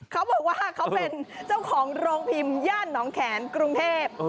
เขาบอกว่าเขาเป็นเจ้าของโรงพิมพ์ย่านน้องแขนกรุงเทพ